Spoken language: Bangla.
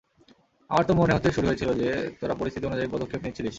আমার তো মনে হতে শুরু হয়েছিল যে, তোরা পরিস্থিতি অনুযায়ী পদক্ষেপ নিচ্ছিলিস।